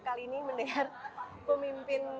kali ini mendengar pemimpin